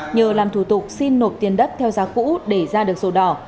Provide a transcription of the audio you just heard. nhờ làm thủ tục xin nộp tiền đất theo giá cũ để ra được sổ đỏ